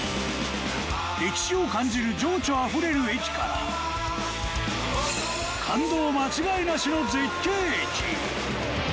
歴史を感じる情緒あふれる駅から感動間違いなしの絶景駅。